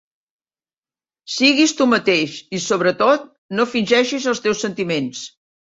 Siguis tu mateix, i sobretot, no fingeixis els teus sentiments.